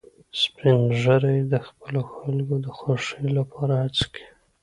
سپین ږیری د خپلو خلکو د خوښۍ لپاره هڅې کوي